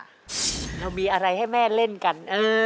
เรามีอะไรให้แม่เล่นกัน